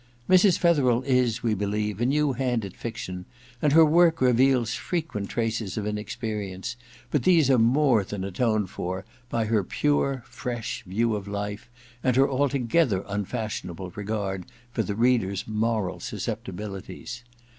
* Mrs, Fetherel is, we believe, a new hand at fiction, and her work reveals frequent traces of inex perience ; but these are more than atoned for by her pure fresh view of life and her altc^ether unfashionable regard for the reader's moraui sus ceptibilities.